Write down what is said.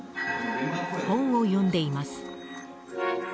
本を読んでいます。